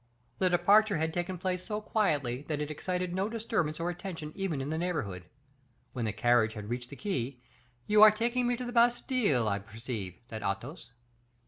The departure had taken place so quietly, that it excited no disturbance or attention even in the neighborhood. When the carriage had reached the quays, "You are taking me to the Bastile, I perceive," said Athos.